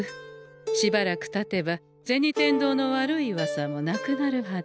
しばらくたてば銭天堂の悪いウワサもなくなるはず。